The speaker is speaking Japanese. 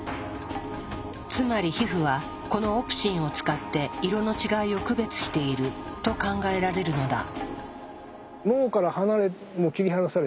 つまり皮膚はこのオプシンを使って色の違いを区別していると考えられるのだ。